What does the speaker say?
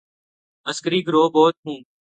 عسکری گروہ بہت ہوں۔